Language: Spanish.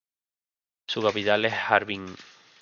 Su capital es Harbin.